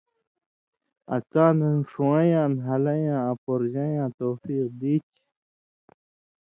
آں څاں دن ݜُوںوَیں یاں، نھالَیں یاں آں پورژَیں یاں توفیق دی چھی؛